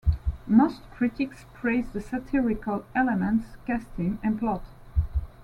Most critics praise the satirical elements, casting, and plot.